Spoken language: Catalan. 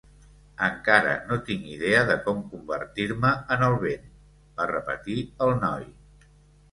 "Encara no tinc idea de com convertir-me en el vent", va repetir el noi.